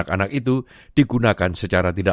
kita harus menjaga anak anak kita